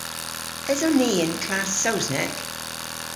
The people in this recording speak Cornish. Eson ni y'n klass Sowsnek?